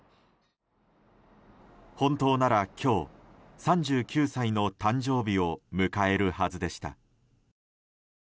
本当なら今日、３９歳の誕生日を迎えるはずでした。